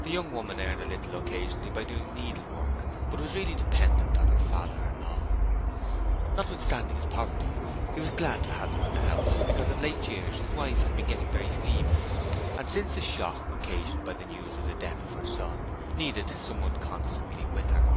The young woman earned a little occasionally by doing needlework, but was really dependent on her father in law. Notwithstanding his poverty, he was glad to have them in the house, because of late years his wife had been getting very feeble, and, since the shock occasioned by the news of the death of her son, needed someone constantly with her.